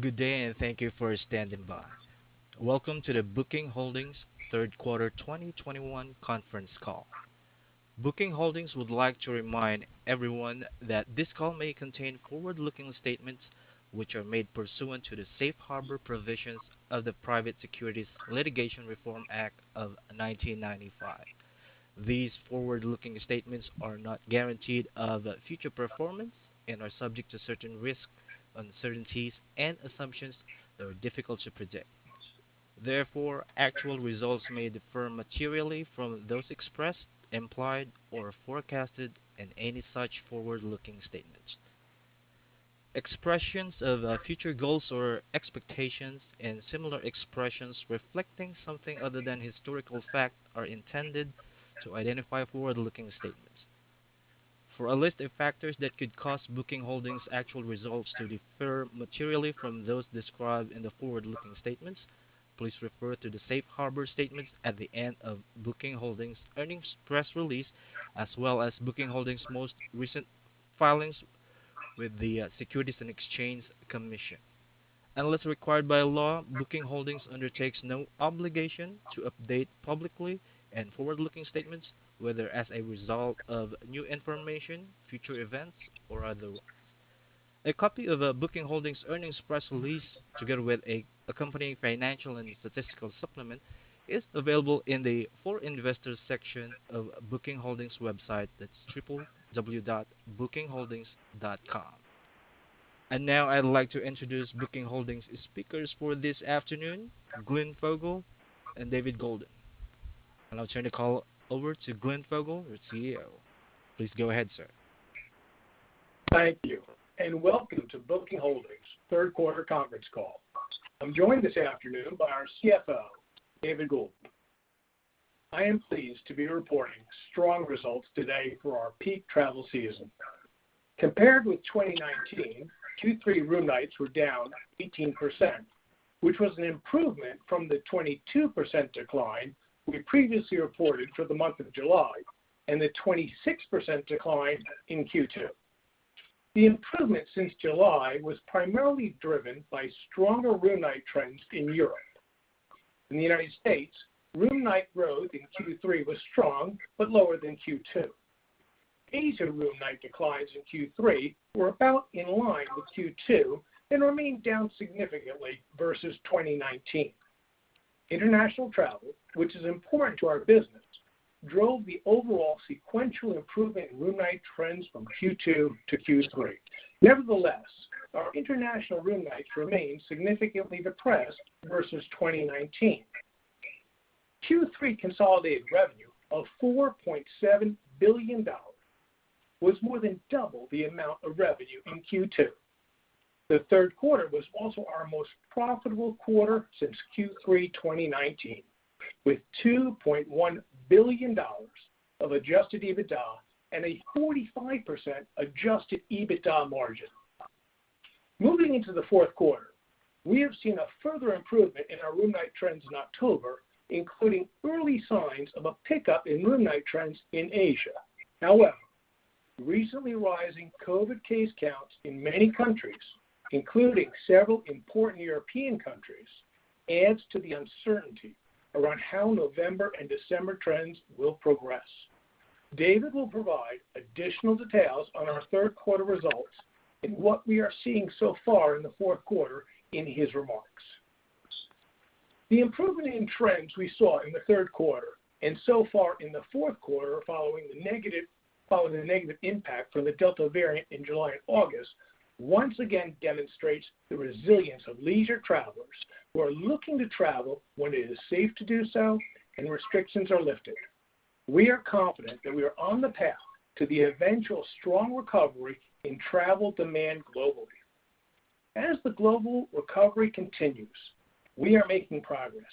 Good day, and thank you for standing by. Welcome to the Booking Holdings third quarter 2021 conference call. Booking Holdings would like to remind everyone that this call may contain forward-looking statements which are made pursuant to the safe harbor provisions of the Private Securities Litigation Reform Act of 1995. These forward-looking statements are not guaranteed of future performance and are subject to certain risks, uncertainties, and assumptions that are difficult to predict. Therefore, actual results may differ materially from those expressed, implied, or forecasted in any such forward-looking statements. Expressions of future goals or expectations and similar expressions reflecting something other than historical fact are intended to identify forward-looking statements. For a list of factors that could cause Booking Holdings actual results to differ materially from those described in the forward-looking statements, please refer to the safe harbor statements at the end of Booking Holdings earnings press release, as well as Booking Holdings most recent filings with the Securities and Exchange Commission. Unless required by law, Booking Holdings undertakes no obligation to update publicly any forward-looking statements, whether as a result of new information, future events, or otherwise. A copy of a Booking Holdings earnings press release, together with accompanying financial and statistical supplement, is available in the For Investors section of Booking Holdings website. That's www.bookingholdings.com. Now I'd like to introduce Booking Holdings speakers for this afternoon, Glenn Fogel and David Goulden. I'll turn the call over to Glenn Fogel, our CEO. Please go ahead, sir. Thank you and welcome to Booking Holdings third quarter conference call. I'm joined this afternoon by our CFO, David Goulden. I am pleased to be reporting strong results today for our peak travel season. Compared with 2019, Q3 room nights were down 18%, which was an improvement from the 22% decline we previously reported for the month of July and the 26% decline in Q2. The improvement since July was primarily driven by stronger room night trends in Europe. In the United States, room night growth in Q3 was strong but lower than Q2. Asia room night declines in Q3 were about in line with Q2 and remain down significantly versus 2019. International travel, which is important to our business, drove the overall sequential improvement in room night trends from Q2 to Q3. Nevertheless, our international room nights remain significantly depressed versus 2019. Q3 consolidated revenue of $4.7 billion was more than double the amount of revenue in Q2. The third quarter was also our most profitable quarter since Q3 2019, with $2.1 billion of adjusted EBITDA and a 45% adjusted EBITDA margin. Moving into the fourth quarter, we have seen a further improvement in our room night trends in October, including early signs of a pickup in room night trends in Asia. However, recently rising COVID case counts in many countries, including several important European countries, adds to the uncertainty around how November and December trends will progress. David will provide additional details on our third quarter results and what we are seeing so far in the fourth quarter in his remarks. The improvement in trends we saw in the third quarter and so far in the fourth quarter following the negative impact from the Delta variant in July and August, once again demonstrates the resilience of leisure travelers who are looking to travel when it is safe to do so and restrictions are lifted. We are confident that we are on the path to the eventual strong recovery in travel demand globally. As the global recovery continues, we are making progress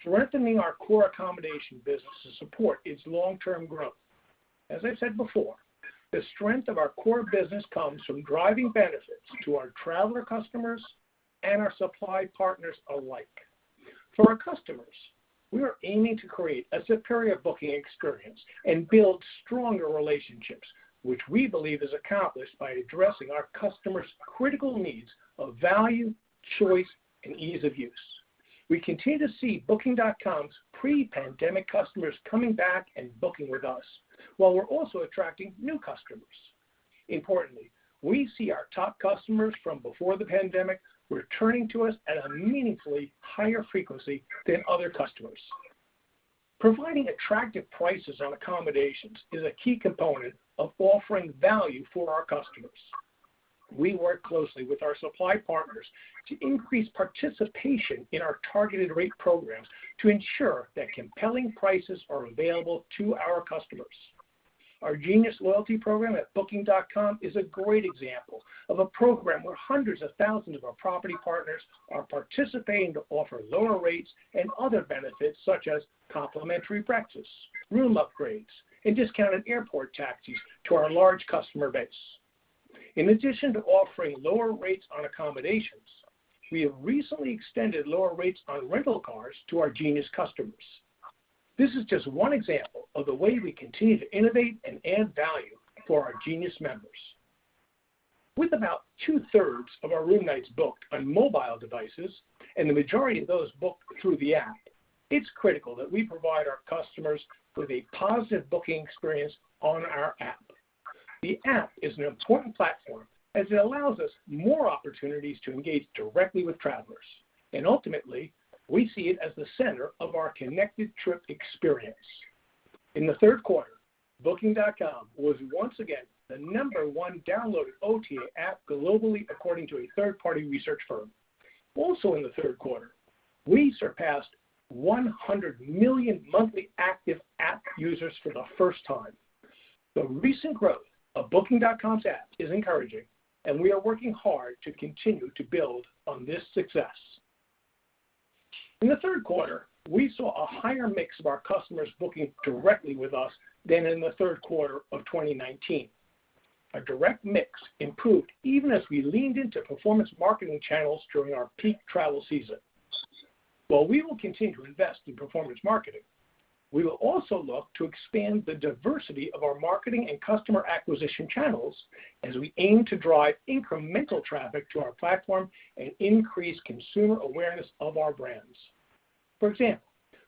strengthening our core accommodation business to support its long-term growth. As I said before, the strength of our core business comes from driving benefits to our traveler customers and our supply partners alike. For our customers, we are aiming to create a superior booking experience and build stronger relationships, which we believe is accomplished by addressing our customers' critical needs of value, choice, and ease of use. We continue to see Booking.com's pre-pandemic customers coming back and booking with us while we're also attracting new customers. Importantly, we see our top customers from before the pandemic returning to us at a meaningfully higher frequency than other customers. Providing attractive prices on accommodations is a key component of offering value for our customers. We work closely with our supply partners to increase participation in our targeted rate programs to ensure that compelling prices are available to our customers. Our Genius loyalty program at Booking.com is a great example of a program where hundreds of thousands of our property partners are participating to offer lower rates and other benefits such as complimentary breakfasts, room upgrades, and discounted airport taxis to our large customer base. In addition to offering lower rates on accommodations, we have recently extended lower rates on rental cars to our Genius customers. This is just one example of the way we continue to innovate and add value for our Genius members. With about two-thirds of our room nights booked on mobile devices, and the majority of those booked through the app, it's critical that we provide our customers with a positive booking experience on our app. The app is an important platform as it allows us more opportunities to engage directly with travelers. Ultimately, we see it as the center of our connected trip experience. In the third quarter, Booking.com was once again the number one downloaded OTA app globally according to a third-party research firm. Also in the third quarter, we surpassed 100 million monthly active app users for the first time. The recent growth of Booking.com's app is encouraging, and we are working hard to continue to build on this success. In the third quarter, we saw a higher mix of our customers booking directly with us than in the third quarter of 2019. Our direct mix improved even as we leaned into performance marketing channels during our peak travel season. While we will continue to invest in performance marketing, we will also look to expand the diversity of our marketing and customer acquisition channels as we aim to drive incremental traffic to our platform and increase consumer awareness of our brands. For example,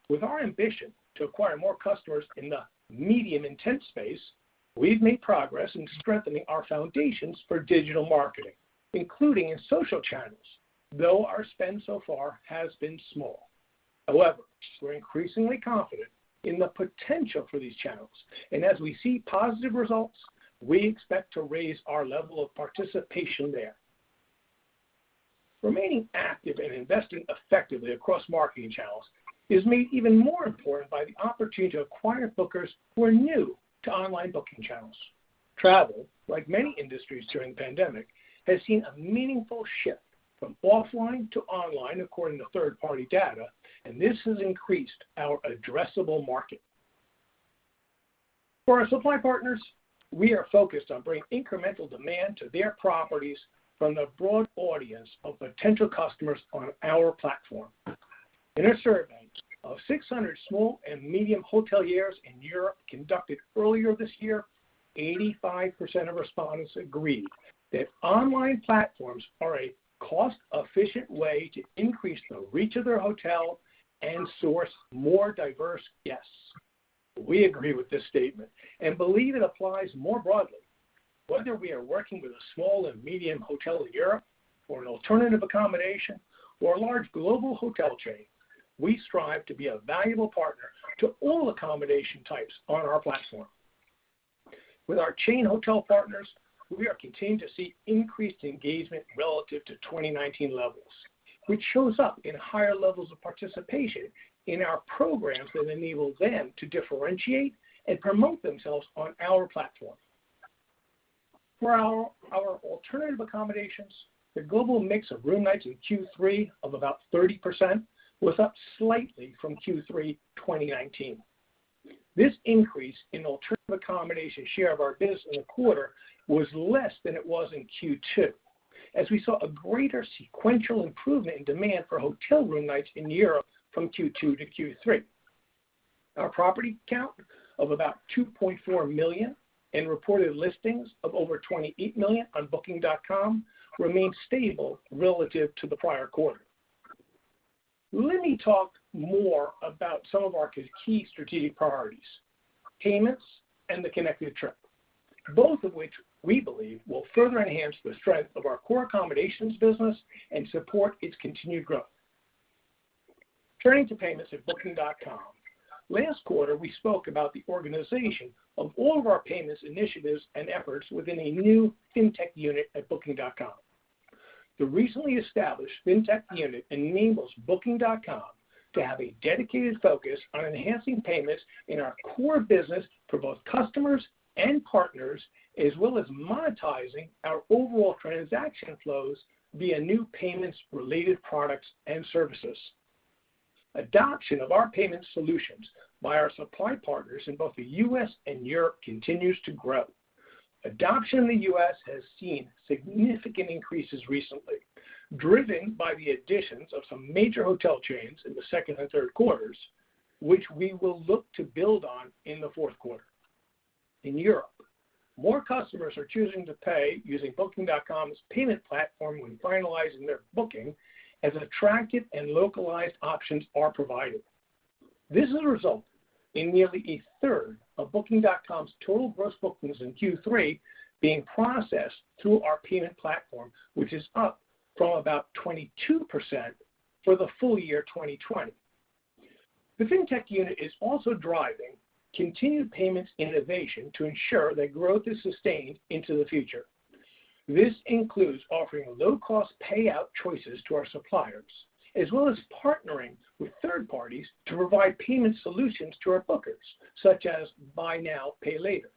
with our ambition to acquire more customers in the media-intensive space, we've made progress in strengthening our foundations for digital marketing, including in social channels, though our spend so far has been small. However, we're increasingly confident in the potential for these channels, and as we see positive results, we expect to raise our level of participation there. Remaining active and investing effectively across marketing channels is made even more important by the opportunity to acquire bookers who are new to online booking channels. Travel, like many industries during the pandemic, has seen a meaningful shift from offline to online, according to third-party data, and this has increased our addressable market. For our supply partners, we are focused on bringing incremental demand to their properties from the broad audience of potential customers on our platform. In a survey of 600 small and medium hoteliers in Europe conducted earlier this year, 85% of respondents agreed that online platforms are a cost-efficient way to increase the reach of their hotel and source more diverse guests. We agree with this statement and believe it applies more broadly. Whether we are working with a small and medium hotel in Europe or an alternative accommodation or a large global hotel chain, we strive to be a valuable partner to all accommodation types on our platform. With our chain hotel partners, we are continuing to see increased engagement relative to 2019 levels, which shows up in higher levels of participation in our programs that enable them to differentiate and promote themselves on our platform. For our alternative accommodations, the global mix of room nights in Q3 of about 30% was up slightly from Q3 2019. This increase in alternative accommodation share of our business in the quarter was less than it was in Q2, as we saw a greater sequential improvement in demand for hotel room nights in Europe from Q2 to Q3. Our property count of about 2.4 million and reported listings of over 28 million on Booking.com remains stable relative to the prior quarter. Let me talk more about some of our key strategic priorities, payments and the connected trip, both of which we believe will further enhance the strength of our core accommodations business and support its continued growth. Turning to payments at Booking.com, last quarter we spoke about the organization of all of our payments initiatives and efforts within a new fintech unit at Booking.com. The recently established fintech unit enables Booking.com to have a dedicated focus on enhancing payments in our core business for both customers and partners, as well as monetizing our overall transaction flows via new payments-related products and services. Adoption of our payment solutions by our supply partners in both the U.S. and Europe continues to grow. Adoption in the U.S. has seen significant increases recently, driven by the additions of some major hotel chains in the second and third quarters, which we will look to build on in the fourth quarter. In Europe, more customers are choosing to pay using Booking.com's payment platform when finalizing their booking as attractive and localized options are provided. This has resulted in nearly a third of Booking.com's total gross bookings in Q3 being processed through our payment platform, which is up from about 22% for the full year 2020. The fintech unit is also driving continued payments innovation to ensure that growth is sustained into the future. This includes offering low-cost payout choices to our suppliers, as well as partnering with third parties to provide payment solutions to our bookers, such as buy now, pay later.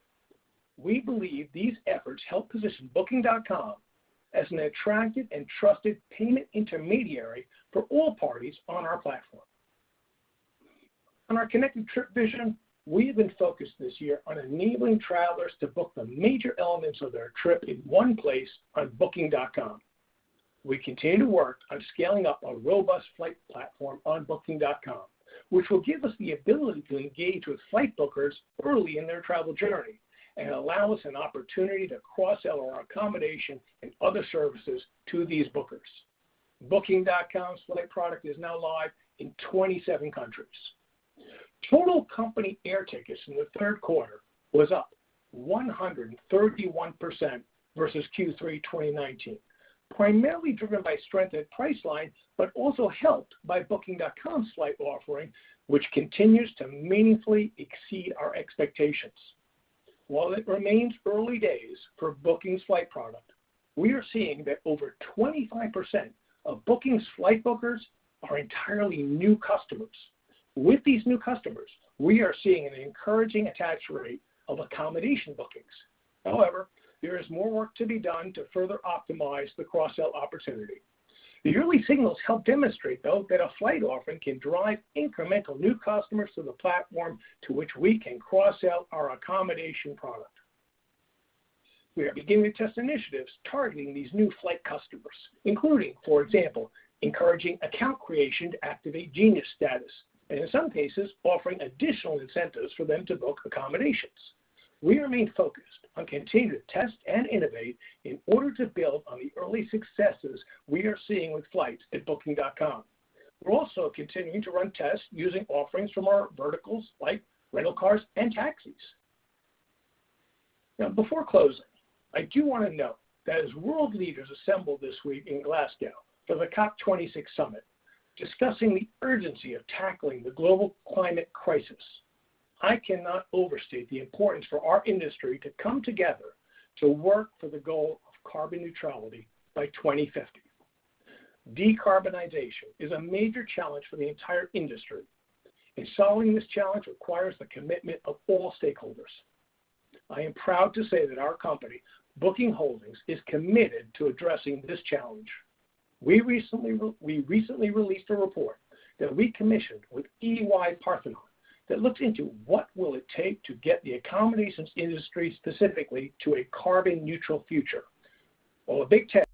We believe these efforts help position Booking.com as an attractive and trusted payment intermediary for all parties on our platform. On our connected trip vision, we have been focused this year on enabling travelers to book the major elements of their trip in one place on Booking.com. We continue to work on scaling up a robust flight platform on Booking.com, which will give us the ability to engage with flight bookers early in their travel journey and allow us an opportunity to cross-sell our accommodation and other services to these bookers. Booking.com's flight product is now live in 27 countries. Total company air tickets in the third quarter was up 131% versus Q3 2019, primarily driven by strength at Priceline, but also helped by Booking.com's flight offering, which continues to meaningfully exceed our expectations. While it remains early days for Booking's flight product, we are seeing that over 25% of Booking's flight bookers are entirely new customers. With these new customers, we are seeing an encouraging attach rate of accommodation bookings. However, there is more work to be done to further optimize the cross-sell opportunity. The early signals help demonstrate, though, that a flight offering can drive incremental new customers to the platform to which we can cross-sell our accommodation product. We are beginning to test initiatives targeting these new flight customers, including, for example, encouraging account creation to activate Genius status, and in some cases, offering additional incentives for them to book accommodations. We remain focused on continuing to test and innovate in order to build on the early successes we are seeing with flights at Booking.com. We're also continuing to run tests using offerings from our verticals like rental cars and taxis. Now, before closing, I do wanna note that as world leaders assemble this week in Glasgow for the COP26 summit discussing the urgency of tackling the global climate crisis, I cannot overstate the importance for our industry to come together to work for the goal of carbon neutrality by 2050. Decarbonization is a major challenge for the entire industry, and solving this challenge requires the commitment of all stakeholders. I am proud to say that our company, Booking Holdings, is committed to addressing this challenge. We recently released a report that we commissioned with EY-Parthenon that looked into what it will take to get the accommodations industry specifically to a carbon neutral future. While a big task,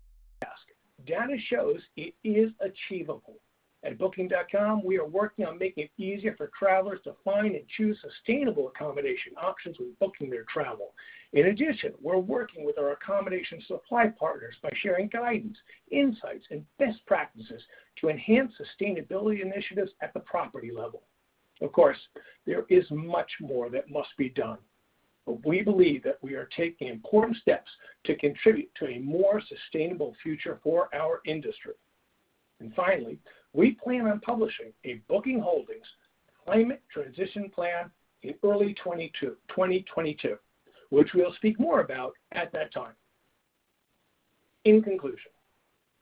data shows it is achievable. At Booking.com, we are working on making it easier for travelers to find and choose sustainable accommodation options when booking their travel. In addition, we're working with our accommodation supply partners by sharing guidance, insights, and best practices to enhance sustainability initiatives at the property level. Of course, there is much more that must be done, but we believe that we are taking important steps to contribute to a more sustainable future for our industry. Finally, we plan on publishing a Booking Holdings climate transition plan in early 2022, which we'll speak more about at that time. In conclusion,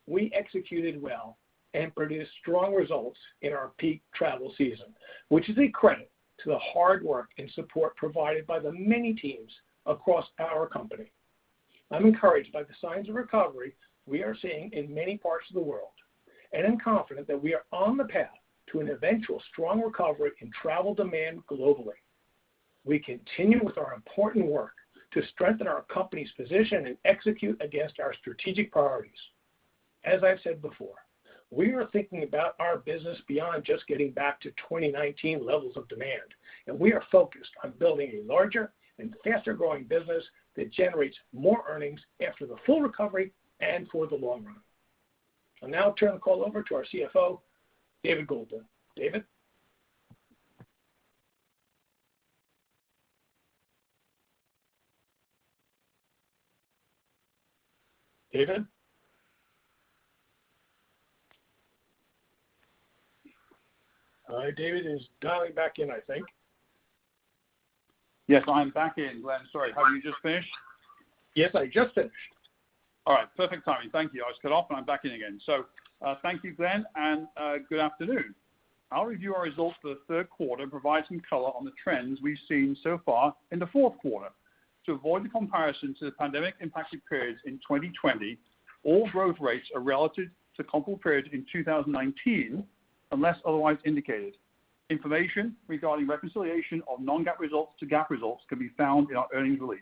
we executed well and produced strong results in our peak travel season, which is a credit to the hard work and support provided by the many teams across our company. I'm encouraged by the signs of recovery we are seeing in many parts of the world, and I'm confident that we are on the path to an eventual strong recovery in travel demand globally. We continue with our important work to strengthen our company's position and execute against our strategic priorities. As I've said before, we are thinking about our business beyond just getting back to 2019 levels of demand, and we are focused on building a larger and faster-growing business that generates more earnings after the full recovery and for the long run. I'll now turn the call over to our CFO, David Goulden. David? All right, David is dialing back in, I think. Yes, I am back in, Glenn. Sorry. Have you just finished? Yes, I just finished. All right, perfect timing. Thank you. I was cut off, and I'm back in again. Thank you, Glenn, and, good afternoon. I'll review our results for the third quarter and provide some color on the trends we've seen so far in the fourth quarter. To avoid the comparison to the pandemic-impacted periods in 2020, all growth rates are relative to comparable periods in 2019, unless otherwise indicated. Information regarding reconciliation of non-GAAP results to GAAP results can be found in our earnings release.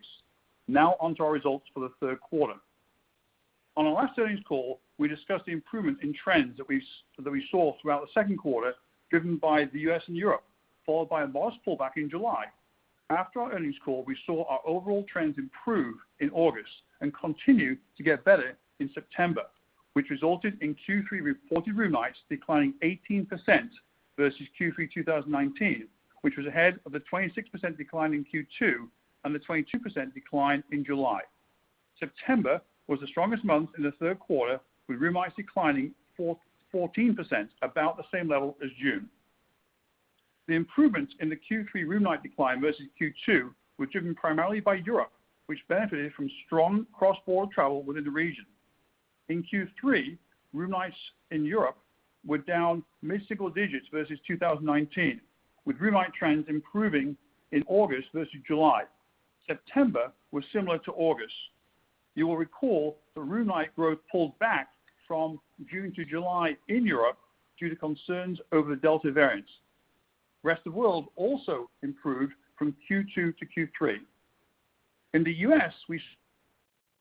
Now onto our results for the third quarter. On our last earnings call, we discussed the improvement in trends that we saw throughout the second quarter, driven by the U.S. and Europe, followed by a modest pullback in July. After our earnings call, we saw our overall trends improve in August and continue to get better in September, which resulted in Q3 reported room nights declining 18% versus Q3 2019, which was ahead of the 26% decline in Q2 and the 22% decline in July. September was the strongest month in the third quarter, with room nights declining 14%, about the same level as June. The improvements in the Q3 room night decline versus Q2 were driven primarily by Europe, which benefited from strong cross-border travel within the region. In Q3, room nights in Europe were down mid-single digits versus 2019, with room night trends improving in August versus July. September was similar to August. You will recall the room night growth pulled back from June to July in Europe due to concerns over the Delta variant. Rest of world also improved from Q2 to Q3. In the US, we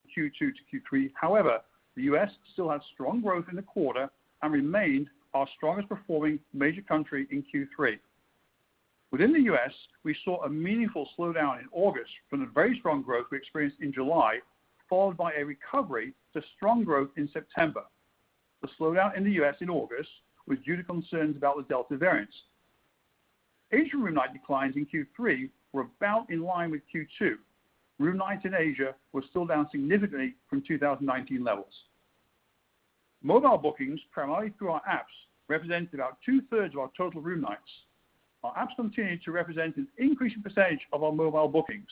improved from Q2 to Q3, however, the US still had strong growth in the quarter and remained our strongest performing major country in Q3. Within the U.S., we saw a meaningful slowdown in August from the very strong growth we experienced in July, followed by a recovery to strong growth in September. The slowdown in the U.S. in August was due to concerns about the Delta variant. Asian room night declines in Q3 were about in line with Q2. Room nights in Asia were still down significantly from 2019 levels. Mobile bookings primarily through our apps represented about two-thirds of our total room nights. Our apps continue to represent an increasing percentage of our mobile bookings.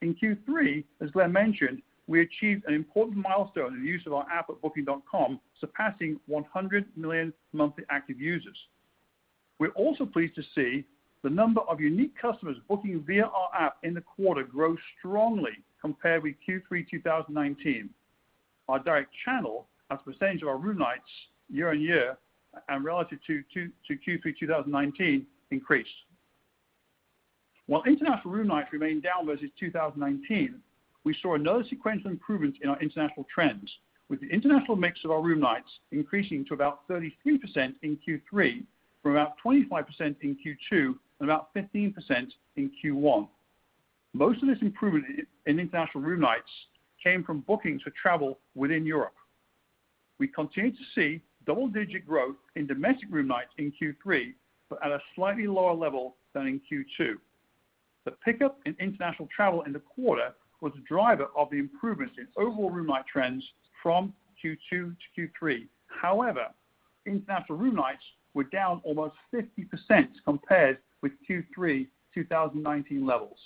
In Q3, as Glenn mentioned, we achieved an important milestone in the use of our app at booking.com, surpassing 100 million monthly active users. We're also pleased to see the number of unique customers booking via our app in the quarter grow strongly compared with Q3 2019. Our direct channel as a percentage of our room nights year-on-year and relative to Q3 2019 increased. While international room nights remained down versus 2019, we saw another sequential improvement in our international trends, with the international mix of our room nights increasing to about 33% in Q3 from about 25% in Q2 and about 15% in Q1. Most of this improvement in international room nights came from bookings for travel within Europe. We continue to see double-digit growth in domestic room nights in Q3, but at a slightly lower level than in Q2. The pickup in international travel in the quarter was a driver of the improvements in overall room night trends from Q2 to Q3. However, international room nights were down almost 50% compared with Q3 2019 levels.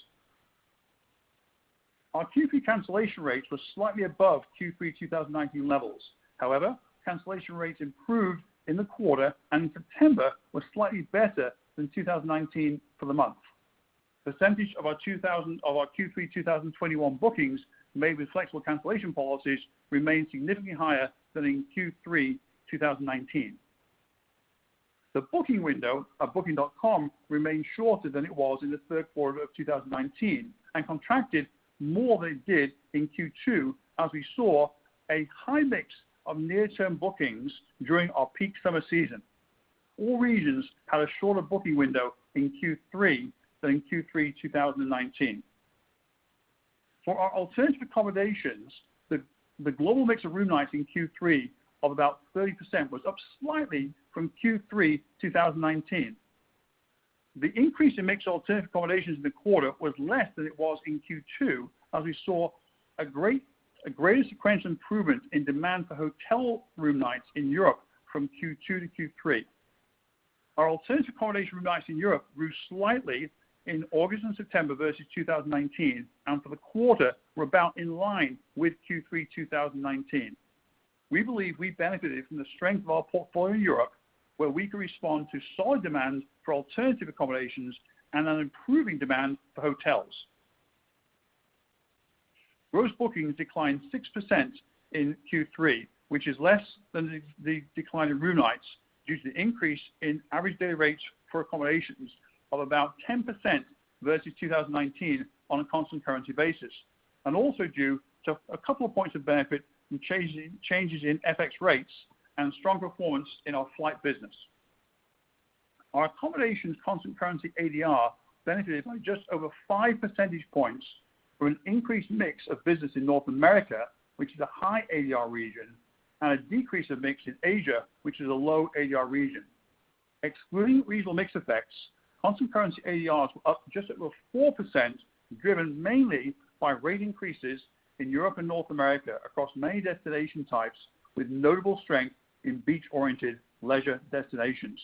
Our Q3 cancellation rates were slightly above Q3 2019 levels. However, cancellation rates improved in the quarter, and in September were slightly better than 2019 for the month. Percentage of our Q3 2021 bookings made with flexible cancellation policies remained significantly higher than in Q3 2019. The booking window at booking.com remained shorter than it was in the third quarter of 2019 and contracted more than it did in Q2 as we saw a high mix of near-term bookings during our peak summer season. All regions had a shorter booking window in Q3 than in Q3 2019. For our alternative accommodations, the global mix of room nights in Q3 of about 30% was up slightly from Q3 2019. The increase in mixed alternative accommodations in the quarter was less than it was in Q2, as we saw a greater sequential improvement in demand for hotel room nights in Europe from Q2 to Q3. Our alternative accommodation room nights in Europe grew slightly in August and September versus 2019, and for the quarter were about in line with Q3 2019. We believe we benefited from the strength of our portfolio in Europe, where we can respond to solid demand for alternative accommodations and an improving demand for hotels. Gross bookings declined 6% in Q3, which is less than the decline in room nights due to the increase in average day rates for accommodations of about 10% versus 2019 on a constant currency basis, and also due to a couple of points of benefit in changes in FX rates and strong performance in our flight business. Our accommodations constant currency ADR benefited by just over 5 percentage points from an increased mix of business in North America, which is a high ADR region, and a decrease of mix in Asia, which is a low ADR region. Excluding regional mix effects, constant currency ADRs were up just over 4%, driven mainly by rate increases in Europe and North America across many destination types with notable strength in beach-oriented leisure destinations.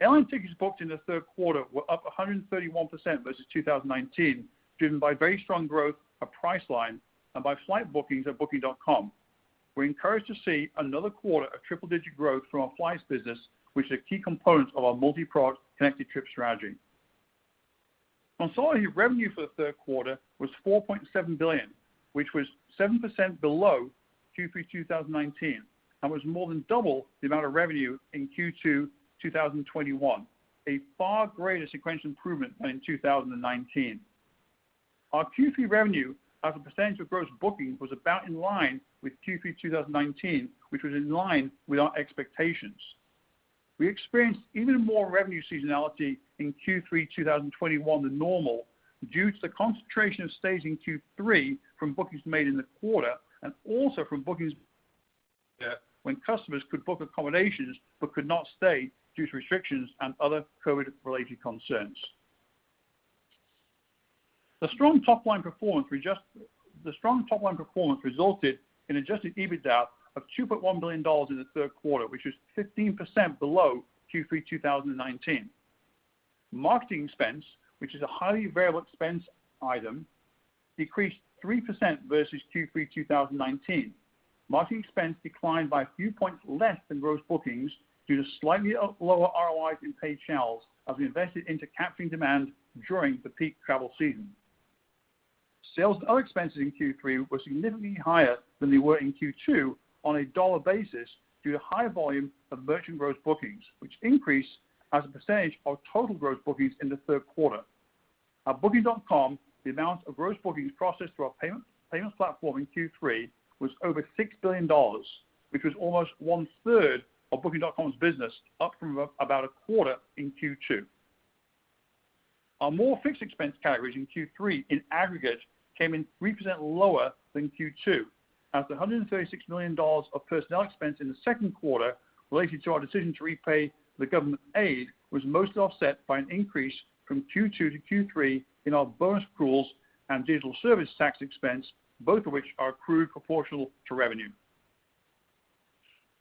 Airline tickets booked in the third quarter were up 131% versus 2019, driven by very strong growth of Priceline and by flight bookings at Booking.com. We're encouraged to see another quarter of triple-digit growth from our flights business, which is a key component of our multiproduct connected trip strategy. Consolidated revenue for the third quarter was $4.7 billion, which was 7% below Q3 2019 and was more than double the amount of revenue in Q2 2021, a far greater sequential improvement than in 2019. Our Q3 revenue as a percentage of gross bookings was about in line with Q3 2019, which was in line with our expectations. We experienced even more revenue seasonality in Q3 2021 than normal due to the concentration of stays in Q3 from bookings made in the quarter and also from bookings when customers could book accommodations but could not stay due to restrictions and other COVID-related concerns. The strong top-line performance resulted in adjusted EBITDA of $2.1 billion in the third quarter, which was 15% below Q3 2019. Marketing expense, which is a highly variable expense item, decreased 3% versus Q3 2019. Marketing expense declined by a few points less than gross bookings due to slightly lower ROIs in paid channels as we invested into capturing demand during the peak travel season. Sales and other expenses in Q3 were significantly higher than they were in Q2 on a dollar basis due to higher volume of merchant gross bookings, which increased as a percentage of total gross bookings in the third quarter. At Booking.com, the amount of gross bookings processed through our payment platform in Q3 was over $6 billion, which was almost one-third of Booking.com's business, up from about a quarter in Q2. Our more fixed expense categories in Q3 in aggregate came in 3% lower than Q2. As the $136 million of personnel expense in the second quarter related to our decision to repay the government aid was mostly offset by an increase from Q2 to Q3 in our bonus pools and digital services tax expense, both of which are accrued proportional to revenue.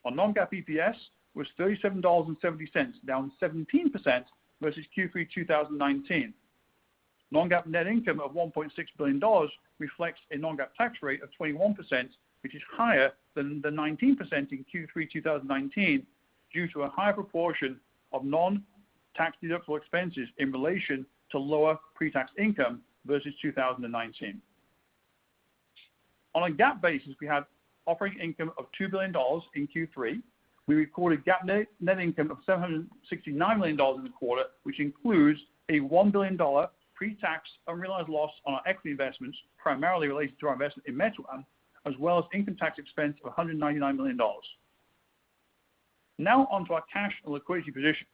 Our non-GAAP EPS was $37.70, down 17% versus Q3 2019. Non-GAAP net income of $1.6 billion reflects a non-GAAP tax rate of 21%, which is higher than the 19% in Q3 2019 due to a higher proportion of non-tax-deductible expenses in relation to lower pre-tax income versus 2019. On a GAAP basis, we have operating income of $2 billion in Q3. We recorded GAAP net income of $769 million in the quarter, which includes a $1 billion pre-tax unrealized loss on our equity investments, primarily related to our investment in Meituan, as well as income tax expense of $199 million. Now on to our cash and liquidity position.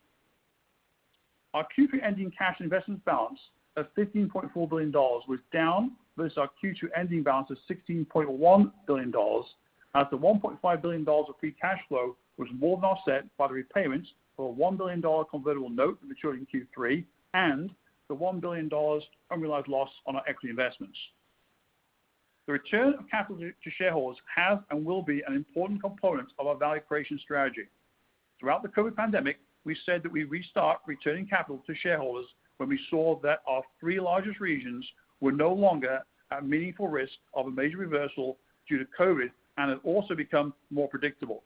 Our Q3 ending cash investment balance of $15.4 billion was down versus our Q2 ending balance of $16.1 billion as the $1.5 billion of free cash flow was more than offset by the repayments for a $1 billion convertible note maturing in Q3 and the $1 billion unrealized loss on our equity investments. The return of capital to shareholders have and will be an important component of our value creation strategy. Throughout the COVID pandemic, we said that we restart returning capital to shareholders when we saw that our three largest regions were no longer at meaningful risk of a major reversal due to COVID and have also become more predictable.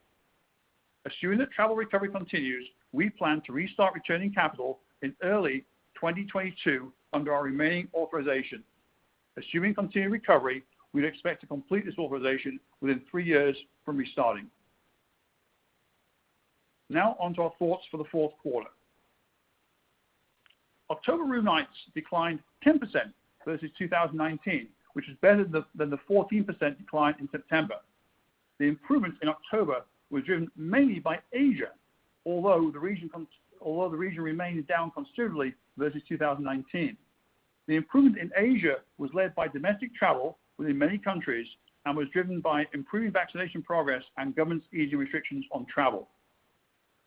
Assuming that travel recovery continues, we plan to restart returning capital in early 2022 under our remaining authorization. Assuming continued recovery, we'd expect to complete this authorization within three years from restarting. Now on to our thoughts for the fourth quarter. October room nights declined 10% versus 2019, which is better than the 14% decline in September. The improvements in October were driven mainly by Asia, although the region remained down considerably versus 2019. The improvement in Asia was led by domestic travel within many countries and was driven by improving vaccination progress and governments easing restrictions on travel.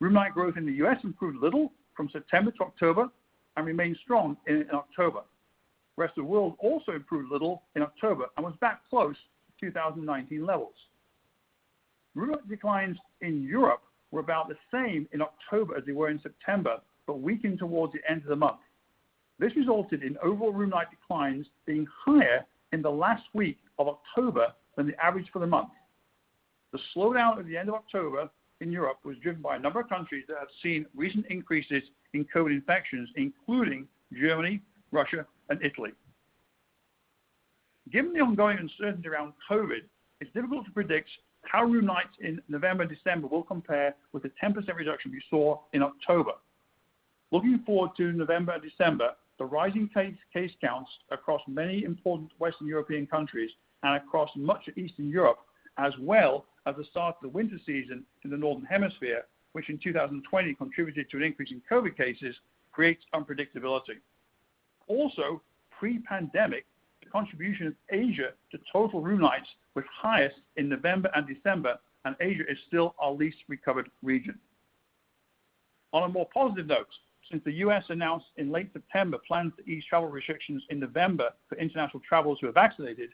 Room night growth in the U.S. improved little from September to October and remained strong in October. The rest of the world also improved little in October and was back close to 2019 levels. Room night declines in Europe were about the same in October as they were in September, but weakened towards the end of the month. This resulted in overall room night declines being higher in the last week of October than the average for the month. The slowdown at the end of October in Europe was driven by a number of countries that have seen recent increases in COVID infections, including Germany, Russia, and Italy. Given the ongoing uncertainty around COVID, it's difficult to predict how room nights in November and December will compare with the 10% reduction we saw in October. Looking forward to November and December, the rising case counts across many important Western European countries and across much of Eastern Europe, as well as the start of the winter season in the Northern Hemisphere, which in 2020 contributed to an increase in COVID cases, creates unpredictability. Also, pre-pandemic, the contribution of Asia to total room nights was highest in November and December, and Asia is still our least recovered region. On a more positive note, since the U.S. announced in late September plans to ease travel restrictions in November for international travelers who are vaccinated,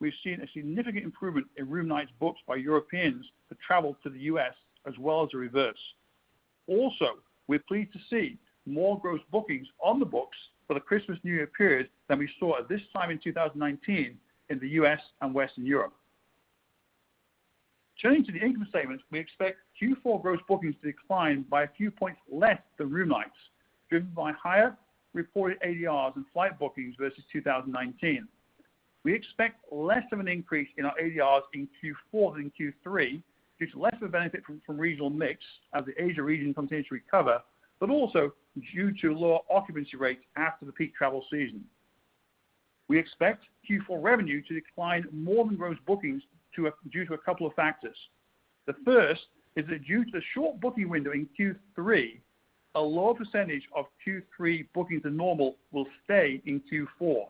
we've seen a significant improvement in room nights booked by Europeans to travel to the U.S. as well as the reverse. We're pleased to see more gross bookings on the books for the Christmas-New Year period than we saw at this time in 2019 in the U.S. and Western Europe. Turning to the income statement, we expect Q4 gross bookings to decline by a few points less than room nights, driven by higher reported ADRs and flight bookings versus 2019. We expect less of an increase in our ADRs in Q4 than in Q3 due to less of a benefit from regional mix as the Asia region continues to recover, but also due to lower occupancy rates after the peak travel season. We expect Q4 revenue to decline more than gross bookings due to a couple of factors. The first is that due to the short booking window in Q3, a lower percentage of Q3 bookings than normal will stay in Q4.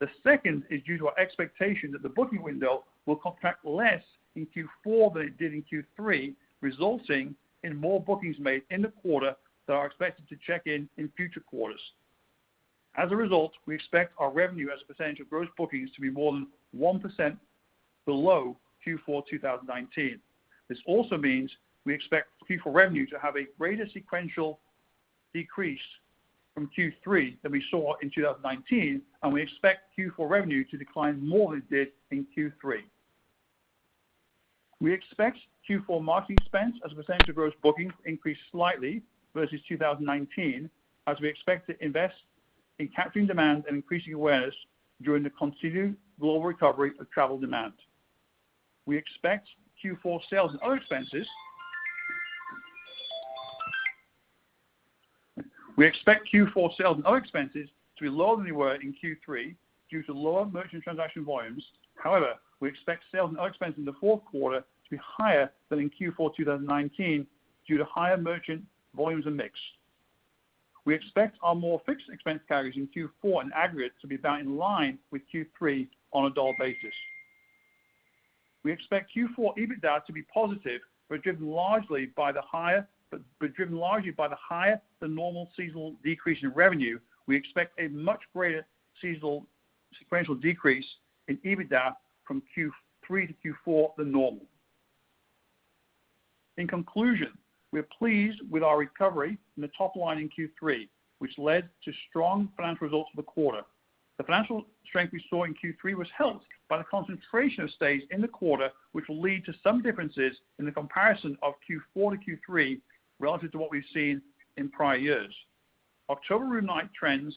The second is due to our expectation that the booking window will contract less in Q4 than it did in Q3, resulting in more bookings made in the quarter that are expected to check in in future quarters. As a result, we expect our revenue as a percentage of gross bookings to be more than 1% below Q4 2019. This also means we expect Q4 revenue to have a greater sequential decrease from Q3 than we saw in 2019, and we expect Q4 revenue to decline more than it did in Q3. We expect Q4 marketing expense as a percentage of gross bookings to increase slightly versus 2019, as we expect to invest in capturing demand and increasing awareness during the continued global recovery of travel demand. We expect Q4 sales and other expenses to be lower than they were in Q3 due to lower merchant transaction volumes. However, we expect sales and other expenses in the fourth quarter to be higher than in Q4 2019 due to higher merchant volumes and mix. We expect our more fixed expense categories in Q4 in aggregate to be about in line with Q3 on a dollar basis. We expect Q4 EBITDA to be positive, but driven largely by the higher than normal seasonal decrease in revenue. We expect a much greater seasonal sequential decrease in EBITDA from Q3 to Q4 than normal. In conclusion, we're pleased with our recovery in the top line in Q3, which led to strong financial results for the quarter. The financial strength we saw in Q3 was helped by the concentration of stays in the quarter, which will lead to some differences in the comparison of Q4 to Q3 relative to what we've seen in prior years. October room night trends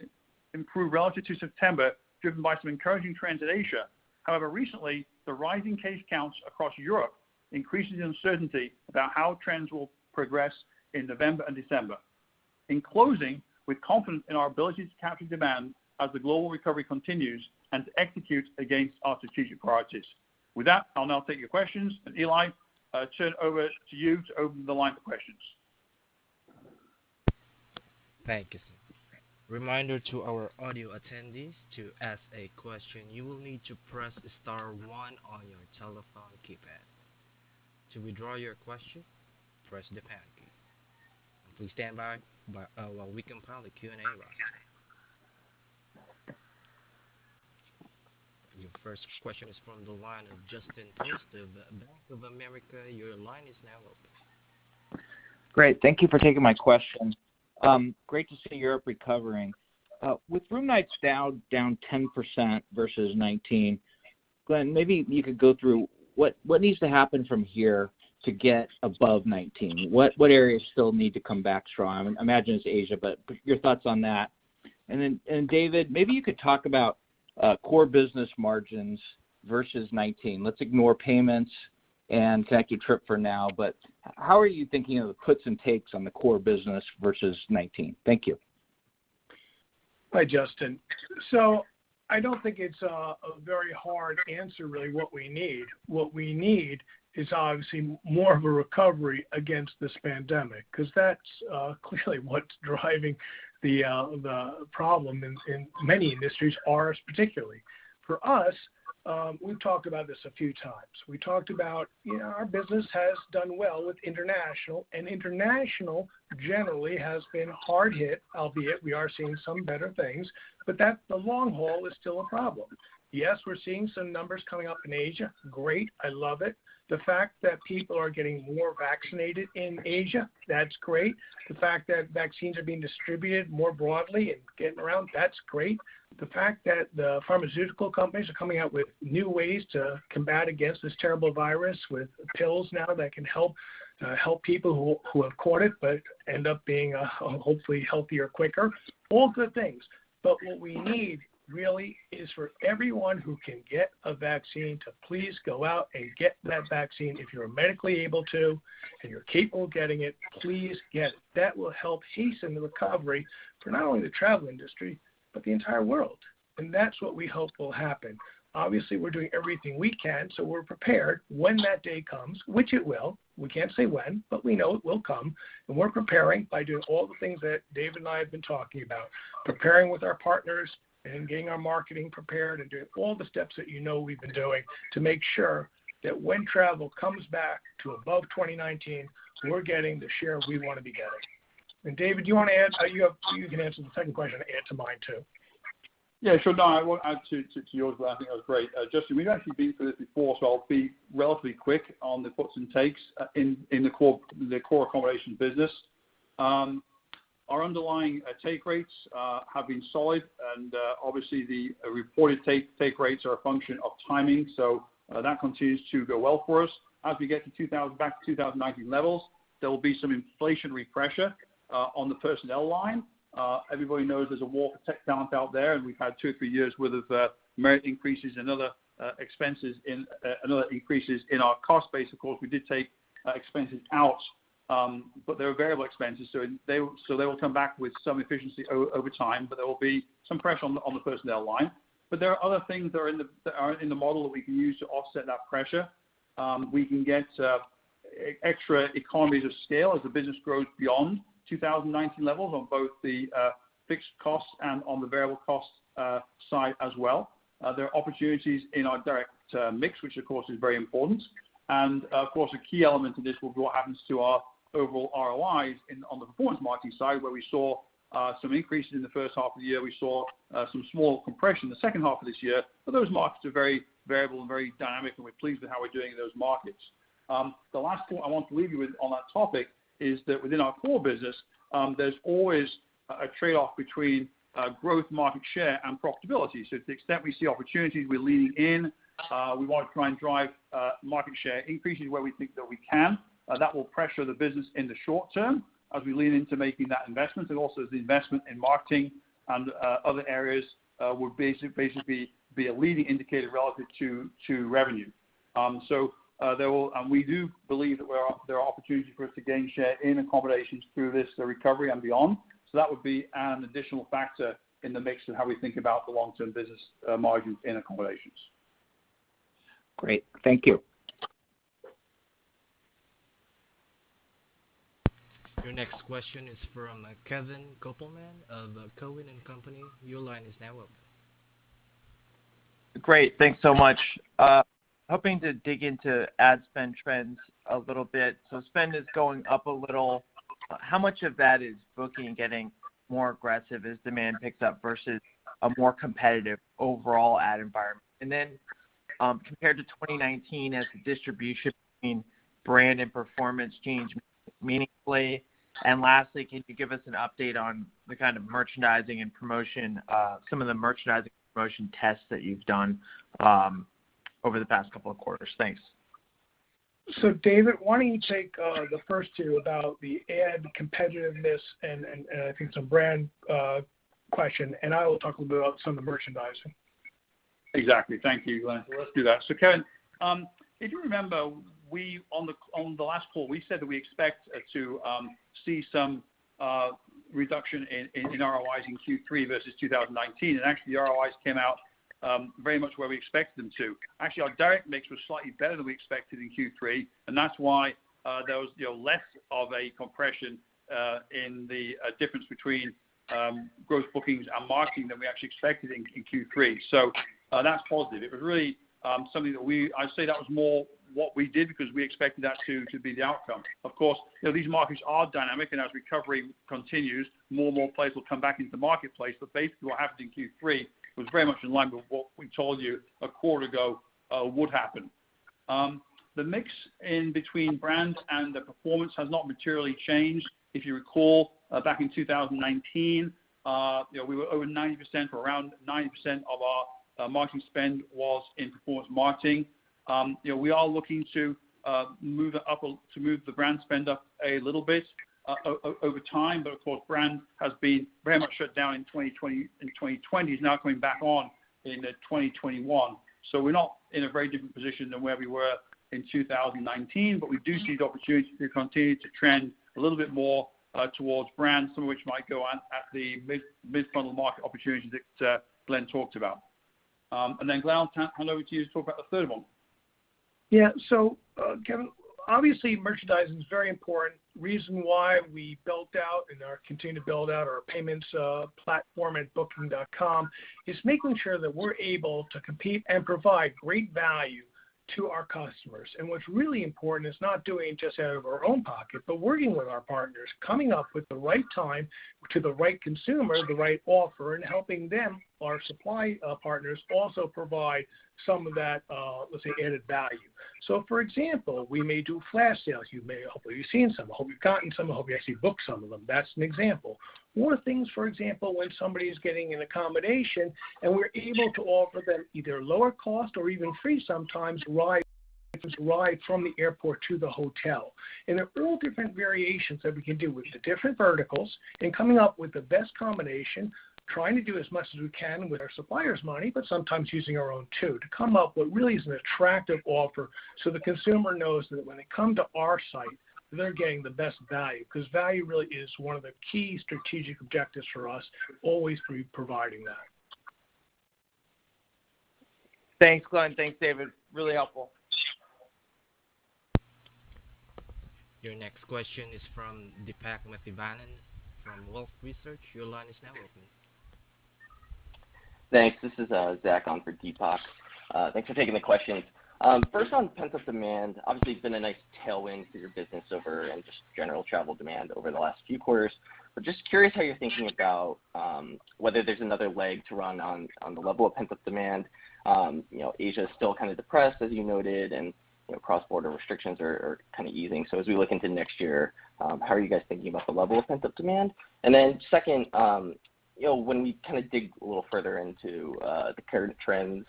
improved relative to September, driven by some encouraging trends in Asia. However, recently, the rising case counts across Europe increases the uncertainty about how trends will progress in November and December. In closing, we're confident in our ability to capture demand as the global recovery continues and to execute against our strategic priorities. With that, I'll now take your questions, and Eli, I turn over to you to open the line for questions. Thank you, sir. Reminder to our audio attendees, to ask a question, you will need to press star one on your telephone keypad. To withdraw your question, press the pound key. Please stand by while we compile the Q&A line. Your first question is from the line of Justin Post of Bank of America. Your line is now open. Great. Thank you for taking my question. Great to see Europe recovering. With room nights down 10% versus 2019, Glenn, maybe you could go through what needs to happen from here to get above 2019? What areas still need to come back strong? I imagine it's Asia, but your thoughts on that. David, maybe you could talk about core business margins versus 2019. Let's ignore payments and connected trip for now. How are you thinking of the puts and takes on the core business versus 2019? Thank you. Hi, Justin. I don't think it's a very hard answer, really, what we need. What we need is obviously more of a recovery against this pandemic because that's clearly what's driving the problem in many industries, ours, particularly. For us, we've talked about this a few times. We talked about our business has done well with international, and international generally has been hard hit, albeit we are seeing some better things, but the long haul is still a problem. Yes, we're seeing some numbers coming up in Asia. Great. I love it. The fact that people are getting more vaccinated in Asia, that's great. The fact that vaccines are being distributed more broadly and getting around, that's great. The fact that the pharmaceutical companies are coming out with new ways to combat against this terrible virus with pills now that can help people who have caught it but end up being hopefully healthier quicker, all good things. What we need really is for everyone who can get a vaccine to please go out and get that vaccine. If you're medically able to and you're capable of getting it, please get it. That will help hasten the recovery for not only the travel industry but the entire world. That's what we hope will happen. Obviously, we're doing everything we can, so we're prepared when that day comes, which it will. We can't say when, but we know it will come, and we're preparing by doing all the things that Dave and I have been talking about, preparing with our partners and getting our marketing prepared and doing all the steps that you know we've been doing to make sure that when travel comes back to above 2019, we're getting the share we want to be getting. David, you want to add? You can answer the second question and add to mine too. Yeah, sure. No, I want to add to yours. I think that was great. Justin, we've actually been through this before, so I'll be relatively quick on the puts and takes in the core accommodation business. Our underlying take rates have been solid, and obviously the reported take rates are a function of timing. That continues to go well for us. As we get back to 2019 levels, there will be some inflationary pressure on the personnel line. Everybody knows there's a war for tech talent out there, and we've had two or three years worth of merit increases and other expenses and other increases in our cost base. Of course, we did take expenses out, but there were variable expenses, so they will come back with some efficiency over time, but there will be some pressure on the personnel line. There are other things that are in the model that we can use to offset that pressure. We can get extra economies of scale as the business grows beyond 2019 levels on both the fixed costs and on the variable costs side as well. There are opportunities in our direct mix, which of course is very important. Of course, a key element of this will be what happens to our overall ROIs on the performance marketing side, where we saw some increases in the first half of the year. We saw some small compression in the second half of this year, but those markets are very variable and very dynamic, and we're pleased with how we're doing in those markets. The last point I want to leave you with on that topic is that within our core business, there's always a trade-off between growth, market share, and profitability. To the extent we see opportunities, we're leaning in, we want to try and drive market share increases where we think that we can. That will pressure the business in the short term as we lean into making that investment. It also is the investment in marketing and other areas will basically be a leading indicator relative to revenue. We do believe that there are opportunities for us to gain share in accommodations through this, the recovery and beyond. That would be an additional factor in the mix of how we think about the long-term business margins in accommodations. Great. Thank you. Your next question is from Kevin Kopelman of Cowen and Company. Your line is now open. Great. Thanks so much. Hoping to dig into ad spend trends a little bit. Spend is going up a little. How much of that is Booking getting more aggressive as demand picks up versus a more competitive overall ad environment? Then, compared to 2019, has the distribution between brand and performance changed meaningfully? Lastly, can you give us an update on the kind of merchandising and promotion, some of the merchandising promotion tests that you've done, over the past couple of quarters? Thanks. David, why don't you take the first two about the ad competitiveness and I think it's a brand question, and I will talk a little bit about some of the merchandising. Exactly. Thank you, Glenn. Let's do that. Kevin, if you remember, on the last call, we said that we expect to see some reduction in ROIs in Q3 versus 2019, and actually, the ROIs came out very much where we expected them to. Actually, our direct mix was slightly better than we expected in Q3, and that's why there was, you know, less of a compression in the difference between gross bookings and marketing than we actually expected in Q3. That's positive. It was really something that I'd say that was more what we did because we expected that to be the outcome. Of course, you know, these markets are dynamic, and as recovery continues, more and more players will come back into the marketplace. Basically, what happened in Q3 was very much in line with what we told you a quarter ago would happen. The mix in between brands and the performance has not materially changed. If you recall, back in 2019, you know, we were over 90% or around 90% of our marketing spend was in performance marketing. You know, we are looking to move the brand spend up a little bit over time, but of course, brand has been very much shut down in 2020. It's now coming back on in 2021. We're not in a very different position than where we were in 2019, but we do see the opportunity to continue to trend a little bit more towards brands, some of which might go on at the mid-funnel market opportunities that Glenn talked about. Glenn, hand over to you to talk about the third one. Yeah. Kevin, obviously, merchandising is very important. Reason why we built out and are continuing to build out our payments platform at booking.com is making sure that we're able to compete and provide great value to our customers. What's really important is not doing it just out of our own pocket, but working with our partners, coming up with the right thing to the right consumer, the right offer, and helping them, our supply partners, also provide some of that, let's say, added value. For example, we may do flash sales. Hopefully you've seen some, or hope you've gotten some, or hope you actually booked some of them. That's an example. Things, for example, when somebody's getting an accommodation and we're able to offer them either lower cost or even free sometimes ride from the airport to the hotel. There are all different variations that we can do with the different verticals and coming up with the best combination, trying to do as much as we can with our suppliers' money, but sometimes using our own too, to come up with what really is an attractive offer so the consumer knows that when they come to our site, they're getting the best value. Because value really is one of the key strategic objectives for us, always to be providing that. Thanks, Glenn. Thanks, David. Really helpful. Your next question is from Deepak Mathivanan from Wolfe Research. Your line is now open. Thanks. This is Zach on for Deepak. Thanks for taking the questions. First on pent-up demand, obviously, it's been a nice tailwind for your business over and just general travel demand over the last few quarters. Just curious how you're thinking about whether there's another leg to run on the level of pent-up demand. You know, Asia is still kind of depressed, as you noted, and you know, cross-border restrictions are kind of easing. As we look into next year, how are you guys thinking about the level of pent-up demand? Then second, you know, when we kind of dig a little further into the current trends,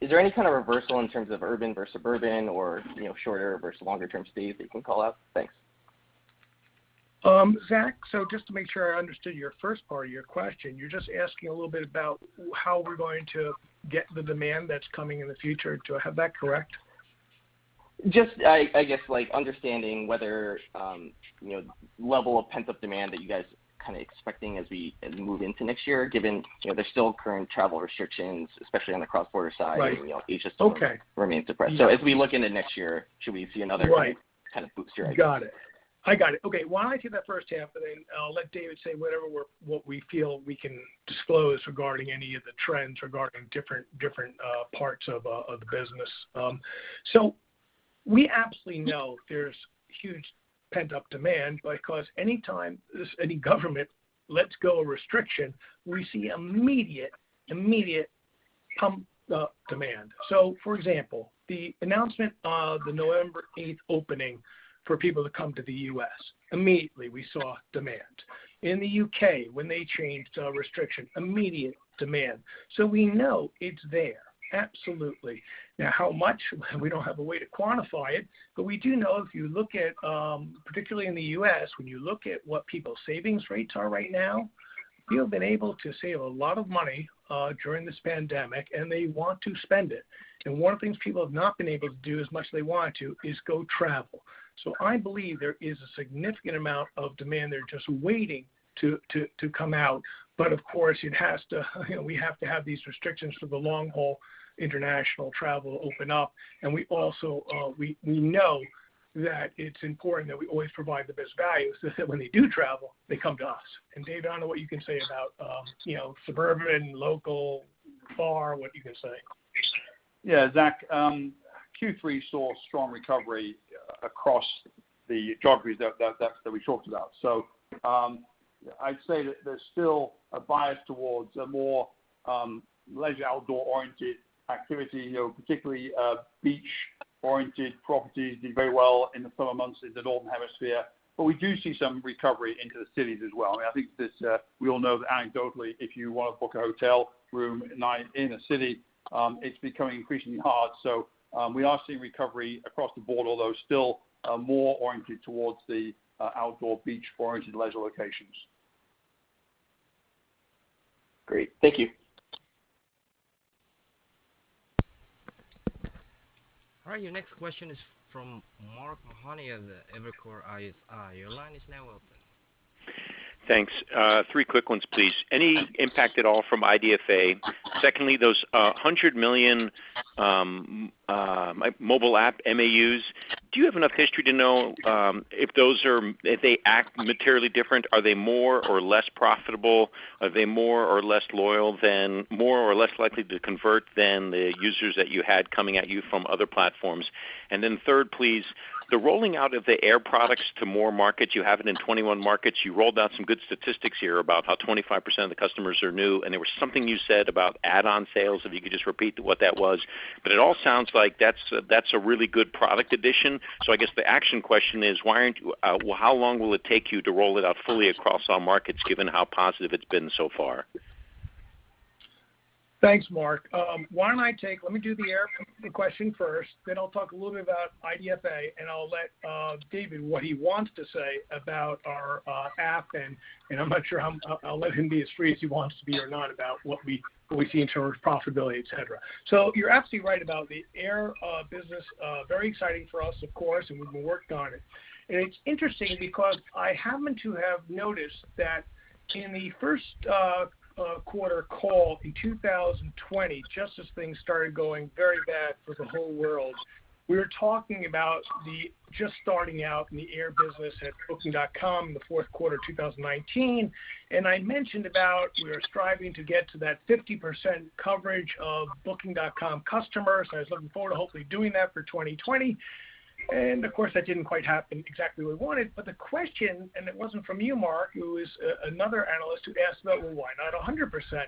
is there any kind of reversal in terms of urban versus suburban or you know, shorter versus longer-term stays that you can call out? Thanks. Zach, just to make sure I understood your first part of your question, you're just asking a little bit about how we're going to get the demand that's coming in the future. Do I have that correct? I guess like understanding whether you know level of pent-up demand that you guys kind of expecting as we move into next year, given you know there's still current travel restrictions, especially on the cross-border side? Right. You know, Asia still. Okay. Remains depressed. Yeah. As we look into next year, should we see another? Right. Kind of boost. Got it. Okay. Why don't I do that first half, and then I'll let David say what we feel we can disclose regarding any of the trends regarding different parts of the business. We absolutely know there's huge pent-up demand because any time any government lets go of a restriction, we see immediate jump in demand. For example, the announcement of the November eighth opening for people to come to the U.S., immediately we saw demand. In the U.K. when they changed restriction, immediate demand. We know it's there. Absolutely. Now, how much? We don't have a way to quantify it, but we do know if you look at, particularly in the U.S., when you look at what people's savings rates are right now, people have been able to save a lot of money during this pandemic, and they want to spend it. One of the things people have not been able to do as much as they want to is go travel. I believe there is a significant amount of demand there just waiting to come out. Of course, it has to, you know, we have to have these restrictions for the long-haul international travel open up. We also know that it's important that we always provide the best value so that when they do travel, they come to us. David, I don't know what you can say about, you know, suburban, local, far, what you can say. Yeah, Zach, Q3 saw strong recovery across the geographies that we talked about. I'd say that there's still a bias towards a more leisure outdoor-oriented activity. You know, particularly, beach-oriented properties did very well in the summer months in the Northern Hemisphere. We do see some recovery into the cities as well. I think this we all know that anecdotally, if you want to book a hotel room at night in a city, it's becoming increasingly hard. We are seeing recovery across the board, although still more oriented towards the outdoor beach-oriented leisure locations. Great. Thank you. All right, your next question is from Mark Mahaney at Evercore ISI. Your line is now open. Thanks. Three quick ones, please. Any impact at all from IDFA? Secondly, those 100 million mobile app MAUs, do you have enough history to know if they act materially different? Are they more or less profitable? Are they more or less loyal than more or less likely to convert than the users that you had coming at you from other platforms? And then third, please, the rolling out of the air products to more markets. You have it in 21 markets. You rolled out some good statistics here about how 25% of the customers are new, and there was something you said about add-on sales, if you could just repeat what that was. But it all sounds like that's a really good product addition. I guess the action question is, how long will it take you to roll it out fully across all markets, given how positive it's been so far? Thanks, Mark. Let me do the air question first, then I'll talk a little bit about IDFA, and I'll let David what he wants to say about our app and I'll let him be as free as he wants to be or not about what we see in terms of profitability, et cetera. You're absolutely right about the air business, very exciting for us, of course, and we've been working on it. It's interesting because I happen to have noticed that in the first quarter call in 2020, just as things started going very bad for the whole world, we were talking about just starting out in the air business at Booking.com in the fourth quarter of 2019. I mentioned about we were striving to get to that 50% coverage of Booking.com customers, and I was looking forward to hopefully doing that for 2020. Of course, that didn't quite happen exactly as we wanted. The question, and it wasn't from you, Mark, it was another analyst who asked about, "Well, why not 100%?"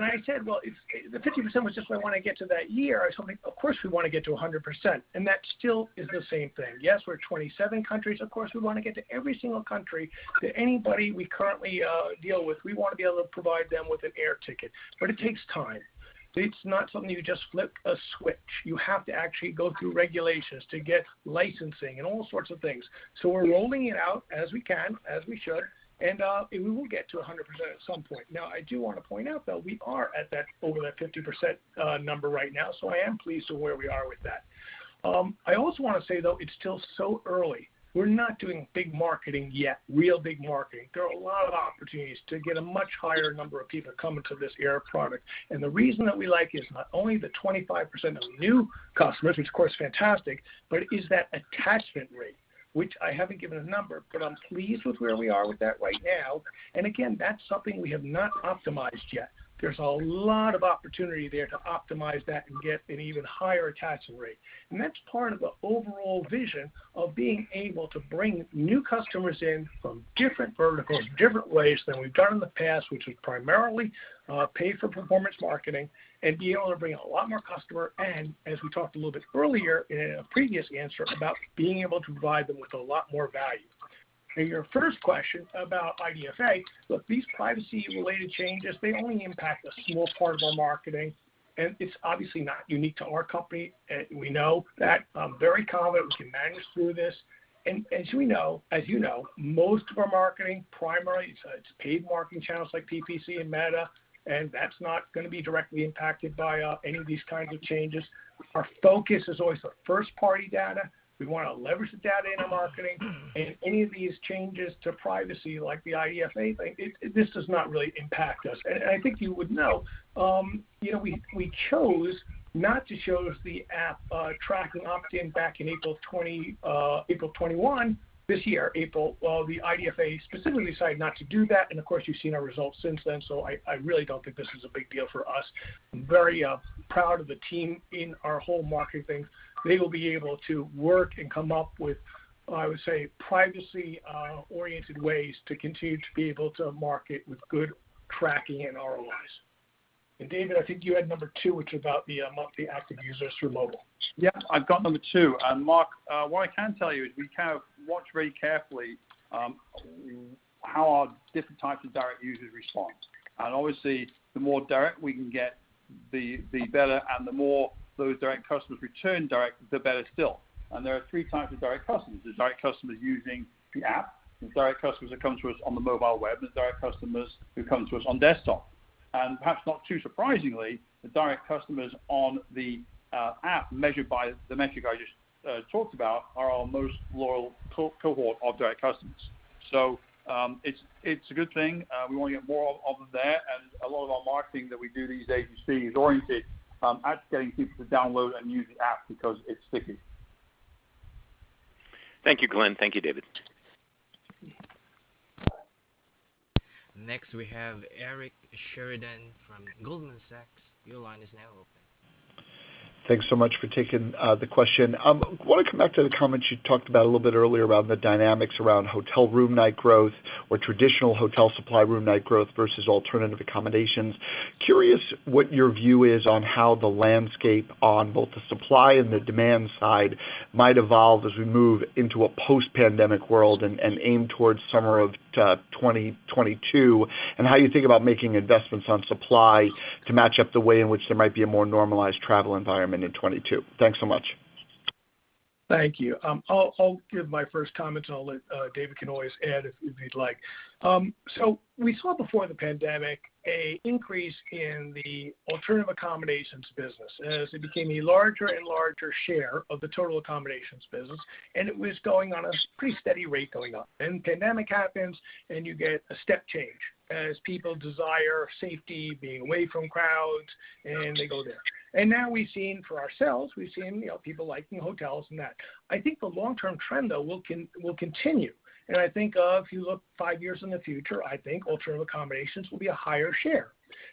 I said, "Well, if the 50% was just what I want to get to that year." I said, "Of course, we want to get to 100%." That still is the same thing. Yes, we're in 27 countries. Of course, we want to get to every single country that anybody we currently deal with, we want to be able to provide them with an air ticket, but it takes time. It's not something you just flip a switch. You have to actually go through regulations to get licensing and all sorts of things. We're rolling it out as we can, as we should, and, we will get to 100% at some point. Now, I do want to point out, though, we are at that over that 50%, number right now. I am pleased with where we are with that. I also want to say, though, it's still so early. We're not doing big marketing yet, real big marketing. There are a lot of opportunities to get a much higher number of people coming to this air product. The reason that we like it is not only the 25% of new customers, which of course, fantastic, but it is that attachment rate, which I haven't given a number, but I'm pleased with where we are with that right now. Again, that's something we have not optimized yet. There's a lot of opportunity there to optimize that and get an even higher attachment rate. That's part of the overall vision of being able to bring new customers in from different verticals, different ways than we've done in the past, which was primarily, pay for performance marketing and being able to bring a lot more customer and as we talked a little bit earlier in a previous answer about being able to provide them with a lot more value. To your first question about IDFA, look, these privacy-related changes, they only impact a small part of our marketing, and it's obviously not unique to our company. We know that, very common, we can manage through this. We know, as you know, most of our marketing primarily, it's paid marketing channels like PPC and metasearch, and that's not gonna be directly impacted by any of these kinds of changes. Our focus is always on first-party data. We wanna leverage the data in our marketing and any of these changes to privacy, like the IDFA thing, this does not really impact us. I think you would know, you know, we chose not to choose the app tracking opt-in back in April 2021 this year. Well, the IDFA specifically decided not to do that, and of course, you've seen our results since then. I really don't think this is a big deal for us. I'm very proud of the team in our whole marketing thing. They will be able to work and come up with, I would say, privacy-oriented ways to continue to be able to market with good tracking and ROIs. David, I think you had number two, which is about the monthly active users through mobile. Yeah, I've got number two. Mark, what I can tell you is we kind of watch very carefully how our different types of direct users respond. Obviously, the more direct we can get, the better, and the more those direct customers return direct, the better still. There are three types of direct customers. There's direct customers using the app. There's direct customers that come to us on the mobile web. There's direct customers who come to us on desktop. Perhaps not too surprisingly, the direct customers on the app measured by the metric I just talked about are our most loyal cohort of direct customers. It's a good thing. We wanna get more of them there. A lot of our marketing that we do these days is oriented at getting people to download and use the app because it's sticky. Thank you, Glenn. Thank you, David. Next, we have Eric Sheridan from Goldman Sachs. Your line is now open. Thanks so much for taking the question. Wanna come back to the comments you talked about a little bit earlier about the dynamics around hotel room night growth or traditional hotel supply room night growth versus alternative accommodations. Curious what your view is on how the landscape on both the supply and the demand side might evolve as we move into a post-pandemic world and aim towards summer of 2022, and how you think about making investments on supply to match up the way in which there might be a more normalized travel environment in 2022. Thanks so much. Thank you. I'll give my first comments and I'll let David add if he'd like. We saw before the pandemic an increase in the alternative accommodations business as it became a larger and larger share of the total accommodations business, and it was going on a pretty steady rate going up. The pandemic happens, and you get a step change as people desire safety, being away from crowds, and they go there. Now we've seen for ourselves, you know, people liking hotels and that. I think the long-term trend, though, will continue. I think if you look five years in the future, I think alternative accommodations will be a higher share.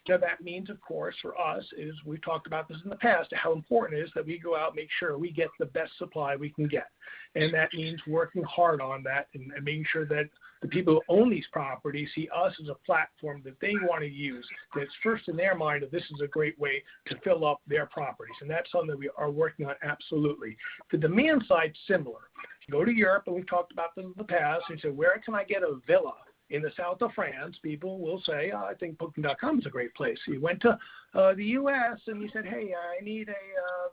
Now that means, of course, for us is we've talked about this in the past, how important it is that we go out and make sure we get the best supply we can get. That means working hard on that and making sure that the people who own these properties see us as a platform that they wanna use, that's first in their mind that this is a great way to fill up their properties. That's something that we are working on absolutely. The demand side's similar. If you go to Europe, and we've talked about them in the past, and say, "Where can I get a villa?" In the South of France, people will say, "I think Booking.com is a great place." You went to the U.S. and you said, "Hey, I need a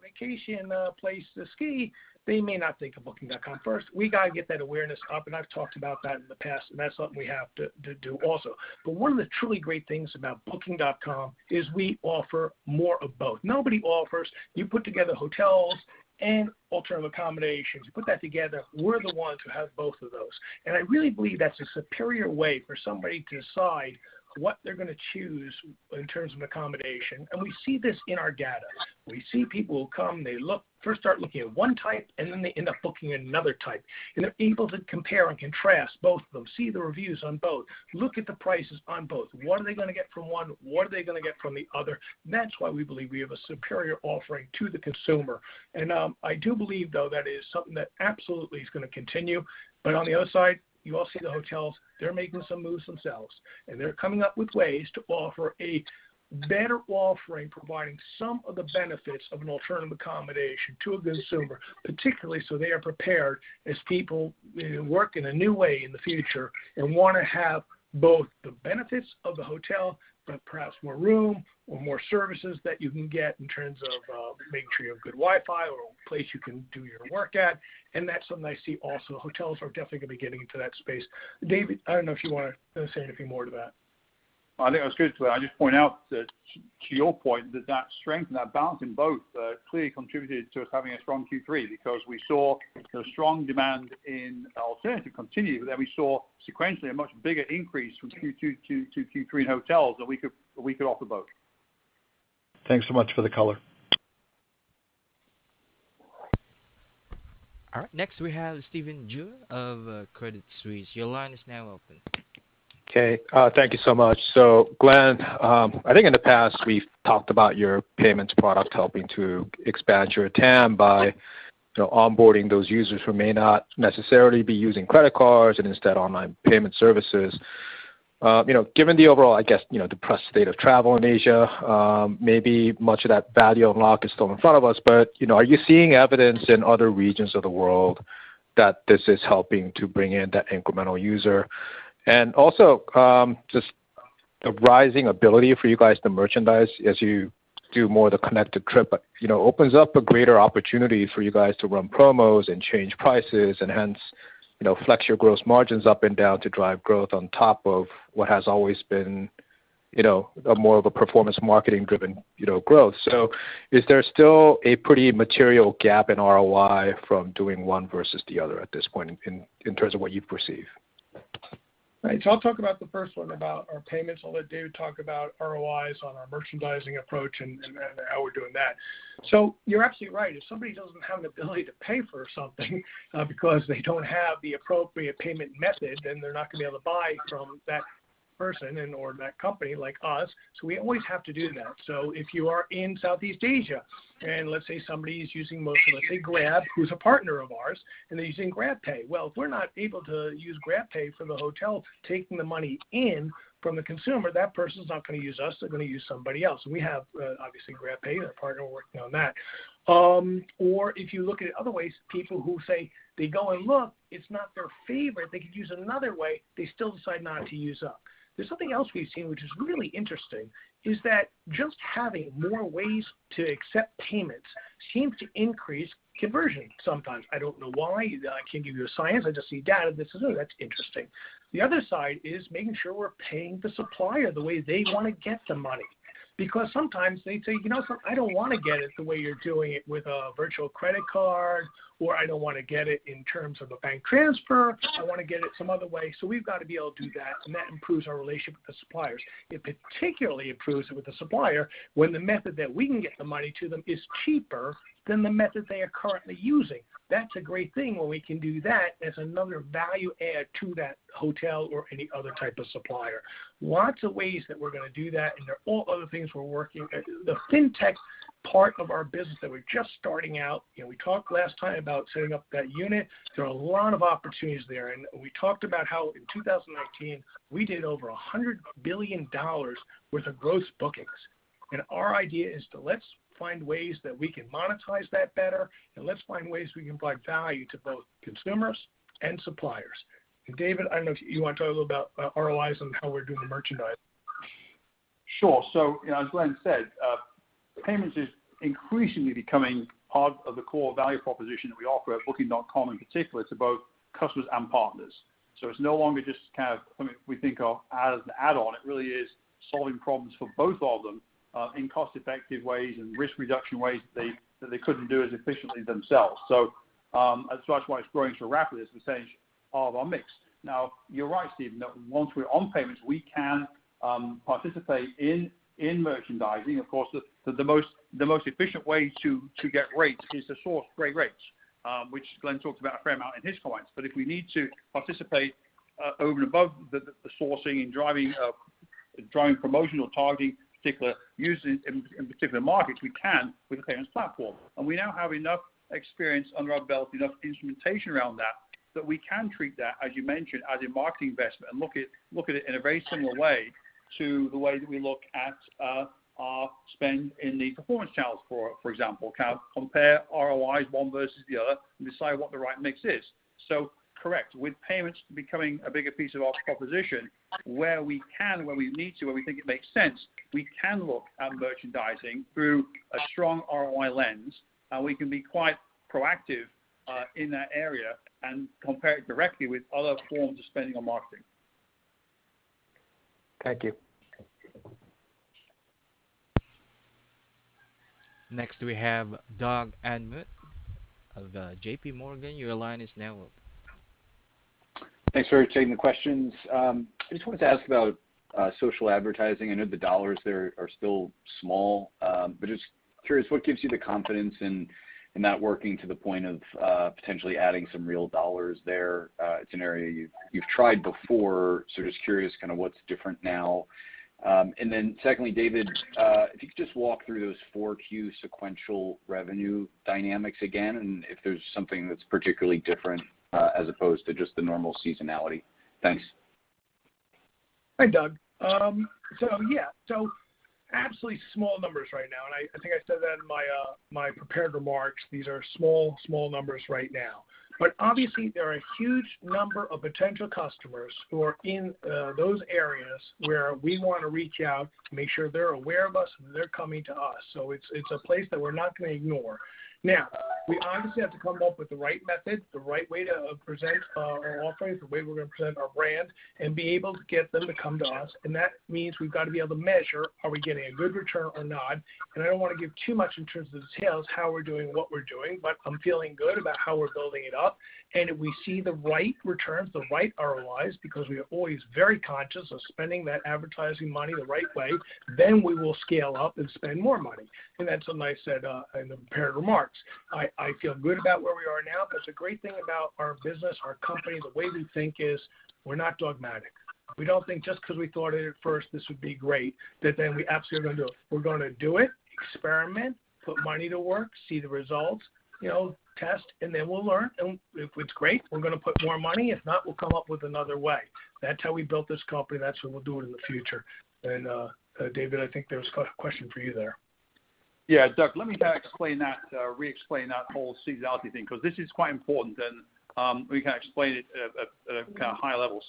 vacation, a place to ski." They may not think of Booking.com first. We gotta get that awareness up, and I've talked about that in the past, and that's something we have to do also. One of the truly great things about Booking.com is we offer more of both. Nobody offers you put together hotels and alternative accommodations. You put that together, we're the ones who have both of those. I really believe that's a superior way for somebody to decide what they're gonna choose in terms of accommodation, and we see this in our data. We see people come, they first start looking at one type, and then they end up booking another type. They're able to compare and contrast both of them, see the reviews on both, look at the prices on both. What are they gonna get from one? What are they gonna get from the other? That's why we believe we have a superior offering to the consumer. I do believe, though, that is something that absolutely is gonna continue. On the other side, you all see the hotels. They're making some moves themselves, and they're coming up with ways to offer a better offering, providing some of the benefits of an alternative accommodation to a consumer, particularly so they are prepared as people work in a new way in the future and wanna have both the benefits of the hotel, but perhaps more room or more services that you can get in terms of making sure you have good Wi-Fi or a place you can do your work at. That's something I see also. Hotels are definitely gonna be getting into that space. David, I don't know if you wanna say anything more to that. I think that was good. I'll just point out that to your point that strength and that balance in both clearly contributed to us having a strong Q3 because we saw the strong demand in alternative continue, but then we saw sequentially a much bigger increase from Q2 to Q3 in hotels, that we could offer both. Thanks so much for the color. All right. Next, we have Stephen Ju of Credit Suisse. Your line is now open. Okay. Thank you so much. Glenn, I think in the past, we've talked about your payments product helping to expand your TAM by, you know, onboarding those users who may not necessarily be using credit cards and instead online payment services. You know, given the overall, I guess, you know, depressed state of travel in Asia, maybe much of that value unlock is still in front of us. You know, are you seeing evidence in other regions of the world that this is helping to bring in that incremental user? Also, just a rising ability for you guys to merchandise as you do more of the connected trip, you know, opens up a greater opportunity for you guys to run promos and change prices and hence, you know, flex your gross margins up and down to drive growth on top of what has always been, you know, a more of a performance marketing driven, you know, growth. Is there still a pretty material gap in ROI from doing one versus the other at this point in terms of what you perceive? Right. I'll talk about the first one about our payments. I'll let David talk about ROIs on our merchandising approach and how we're doing that. You're absolutely right. If somebody doesn't have an ability to pay for something, because they don't have the appropriate payment method, then they're not gonna be able to buy from that person and or that company like us, so we always have to do that. If you are in Southeast Asia, and let's say somebody is using mostly, let's say, Grab, who's a partner of ours, and they're using GrabPay. Well, if we're not able to use GrabPay for the hotel taking the money in from the consumer, that person is not gonna use us, they're gonna use somebody else. We have, obviously, GrabPay is our partner working on that. If you look at it other ways, people who say they go and look, it's not their favorite, they could use another way, they still decide not to use us. There's something else we've seen which is really interesting is that just having more ways to accept payments seems to increase conversion sometimes. I don't know why. I can't give you a science. I just see data and this is, oh, that's interesting. The other side is making sure we're paying the supplier the way they wanna get the money. Because sometimes they say, "You know, I don't wanna get it the way you're doing it with a virtual credit card," or, "I don't wanna get it in terms of a bank transfer. I wanna get it some other way." So we've got to be able to do that, and that improves our relationship with the suppliers. It particularly improves it with the supplier when the method that we can get the money to them is cheaper than the method they are currently using. That's a great thing when we can do that as another value add to that hotel or any other type of supplier. Lots of ways that we're gonna do that, and there are all other things we're working. The fintech part of our business that we're just starting out, you know, we talked last time about setting up that unit. There are a lot of opportunities there. We talked about how in 2019, we did over $100 billion worth of gross bookings. Our idea is to let's find ways that we can monetize that better and let's find ways we can provide value to both consumers and suppliers. David, I don't know if you wanna talk a little about ROIs and how we're doing the merchandising. Sure. You know, as Glenn said, payments is increasingly becoming part of the core value proposition that we offer at Booking.com in particular to both customers and partners. It's no longer just kind of something we think of as an add-on, it really is solving problems for both of them in cost-effective ways and risk reduction ways that they couldn't do as efficiently themselves. That's why it's growing so rapidly as percentage of our mix. Now, you're right, Steen, that once we're on payments, we can participate in merchandising. Of course, the most efficient way to get rates is to source great rates, which Glenn talked about a fair amount in his comments. If we need to participate over and above the sourcing and driving promotional targeting particular users in particular markets, we can with a payments platform. We now have enough experience under our belt, enough instrumentation around that we can treat that, as you mentioned, as a marketing investment and look at it in a very similar way to the way that we look at our spend in the performance channels, for example, compare ROIs one versus the other and decide what the right mix is. Correct, with payments becoming a bigger piece of our proposition, where we can, where we need to, where we think it makes sense, we can look at merchandising through a strong ROI lens, and we can be quite proactive in that area and compare it directly with other forms of spending on marketing. Thank you. Next, we have Doug Anmuth of JPMorgan. Your line is now open. Thanks for taking the questions. I just wanted to ask about social advertising. I know the dollars there are still small, but just curious, what gives you the confidence in that working to the point of potentially adding some real dollars there? It's an area you've tried before. Just curious kinda what's different now. And then secondly, David, if you could just walk through those Q4 sequential revenue dynamics again, and if there's something that's particularly different as opposed to just the normal seasonality. Thanks. Hi, Doug. Yeah. Absolutely small numbers right now. I think I said that in my prepared remarks. These are small numbers right now. Obviously, there are a huge number of potential customers who are in those areas where we wanna reach out to make sure they're aware of us, and they're coming to us. It's a place that we're not gonna ignore. Now, we obviously have to come up with the right method, the right way to present our offerings, the way we're gonna present our brand, and be able to get them to come to us. That means we've got to be able to measure, are we getting a good return or not? I don't wanna give too much in terms of the details, how we're doing what we're doing, but I'm feeling good about how we're building it up. If we see the right returns, the right ROIs, because we are always very conscious of spending that advertising money the right way, then we will scale up and spend more money. That's what I said in the prepared remarks. I feel good about where we are now because the great thing about our business, our company, the way we think is we're not dogmatic. We don't think just 'cause we thought it at first, this would be great that then we absolutely are gonna do it. We're gonna do it, experiment, put money to work, see the results, you know, test, and then we'll learn. If it's great, we're gonna put more money. If not, we'll come up with another way. That's how we built this company. That's what we'll do in the future. David, I think there was a question for you there. Yeah, Doug, let me kind of explain that, re-explain that whole seasonality thing because this is quite important, and we can explain it at a kind of high level.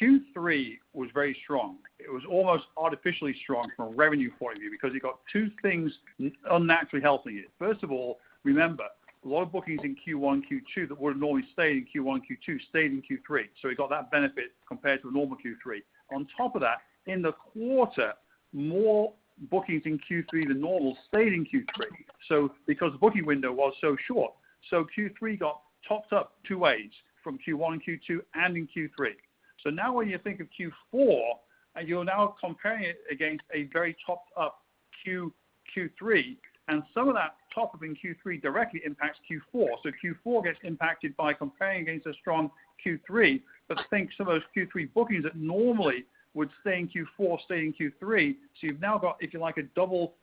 Q3 was very strong. It was almost artificially strong from a revenue point of view because you got two things unnaturally helping it. First of all, remember, a lot of bookings in Q1, Q2 that would have normally stayed in Q1, Q2, stayed in Q3. We got that benefit compared to a normal Q3. On top of that, in the quarter, more bookings in Q3 than normal stayed in Q3 because the booking window was so short. Q3 got topped up two ways, from Q1 and Q2 and in Q3. Now when you think of Q4, and you're now comparing it against a very topped up Q3. Some of that top up in Q3 directly impacts Q4. Q4 gets impacted by comparing against a strong Q3. Think some of those Q3 bookings that normally would stay in Q4, stay in Q3. You've now got, if you like, a double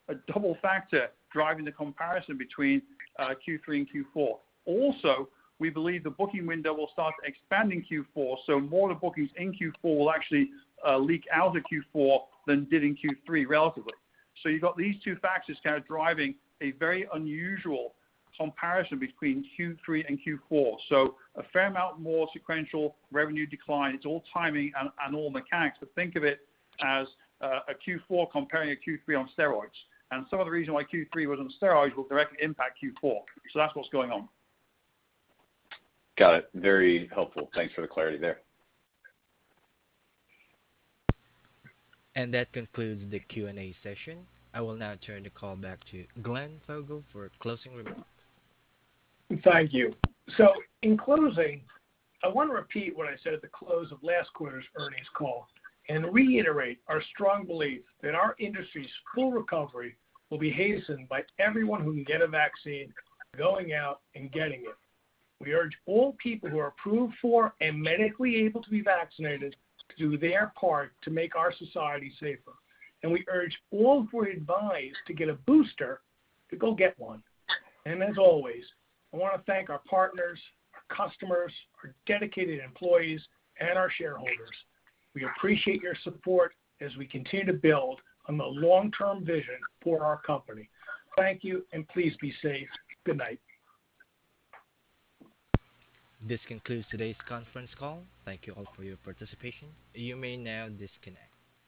factor driving the comparison between Q3 and Q4. Also, we believe the booking window will start expanding Q4, so more of the bookings in Q4 will actually leak out of Q4 than did in Q3 relatively. You've got these two factors kind of driving a very unusual comparison between Q3 and Q4. A fair amount more sequential revenue decline. It's all timing and all mechanics, but think of it as a Q4 comparing a Q3 on steroids. Some of the reason why Q3 was on steroids will directly impact Q4. That's what's going on. Got it. Very helpful. Thanks for the clarity there. That concludes the Q&A session. I will now turn the call back to Glenn Fogel for closing remarks. Thank you. In closing, I want to repeat what I said at the close of last quarter's earnings call and reiterate our strong belief that our industry's full recovery will be hastened by everyone who can get a vaccine going out and getting it. We urge all people who are approved for and medically able to be vaccinated to do their part to make our society safer. We urge all who are advised to get a booster to go get one. As always, I want to thank our partners, our customers, our dedicated employees, and our shareholders. We appreciate your support as we continue to build on the long-term vision for our company. Thank you, and please be safe. Good night. This concludes today's conference call. Thank you all for your participation. You may now disconnect.